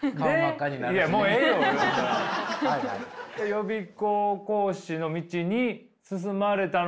予備校講師の道に進まれたのは？